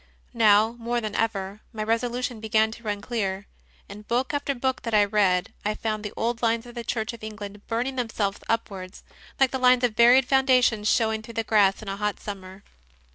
Now, more than ever, my resolution began to run clear. In book after book that I read I found the old lines of the Church of England burning themselves upwards, like the lines of buried founda tions showing through the grass in a hot summer.